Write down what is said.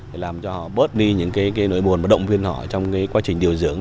để làm cho họ bớt đi những cái nỗi buồn và động viên họ trong quá trình điều dưỡng